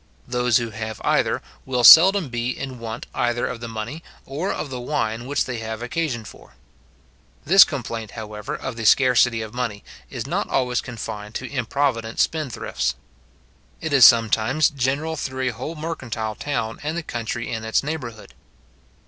Those who have either, will seldom be in want either of the money, or of the wine which they have occasion for. This complaint, however, of the scarcity of money, is not always confined to improvident spendthrifts. It is sometimes general through a whole mercantile town and the country in its neighbourhood.